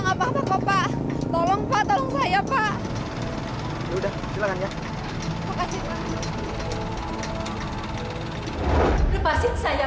enggak papa tolong pak tolong saya pak udah silahkan ya terima kasih pak lepasin saya